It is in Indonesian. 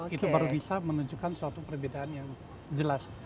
itu baru bisa menunjukkan suatu perbedaan yang jelas